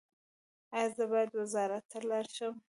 ایا زه باید وزارت ته لاړ شم؟